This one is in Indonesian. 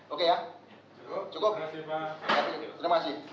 oke ya cukup ya terima kasih